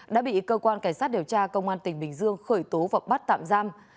đã bị cơ quan cảnh sát điều tra công an tỉnh bình dương khởi tố và bắt tạm giam